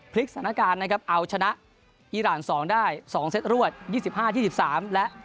พลิกสถานการณ์นะครับเอาชนะอีราน๒ได้๒เซตรวด๒๕๒๓และ